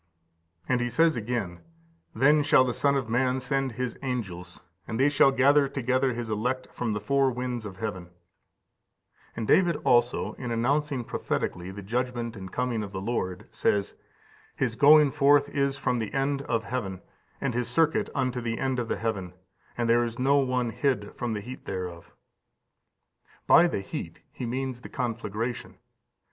And He says again, "Then shall the Son of man send His angels, and they shall gather together His elect from the four winds of heaven."15501550 Matt. xxiv. 31. And David also, in announcing prophetically the judgment and coming of the Lord, says, "His going forth is from the end of the heaven, and His circuit unto the end of the heaven: and there is no one hid from the heat thereof."15511551 Ps. xix. 6. By the heat he means the conflagration.